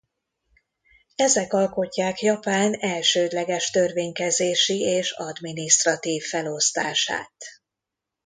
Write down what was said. Ezek alkotják Japán elsődleges törvénykezési és adminisztratív felosztását.